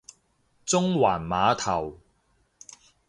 中環碼頭